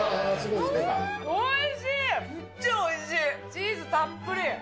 チーズたっぷり。